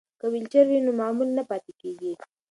که ویلچر وي نو معلول نه پاتیږي.